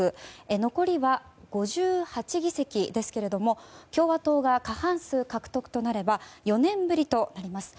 残りは５８議席ですが共和党が過半数獲得となれば４年ぶりとなります。